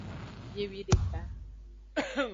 Biewideka.